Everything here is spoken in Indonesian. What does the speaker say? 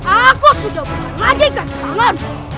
aku sudah membalas lagi kandanganmu